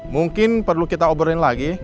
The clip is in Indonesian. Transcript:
mungkin perlu kita oborin lagi